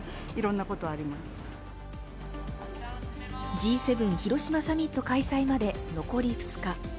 Ｇ７広島サミット開催まで残り２日。